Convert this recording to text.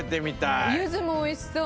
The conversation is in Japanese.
ゆずも美味しそう！